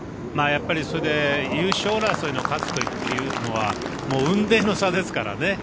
やっぱりそれで優勝争いの数というのは雲泥の差ですからね。